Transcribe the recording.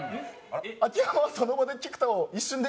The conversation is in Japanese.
秋山はその場で菊田を一瞬で切ろうと。